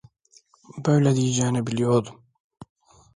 Böyle diyeceğini biliyordum.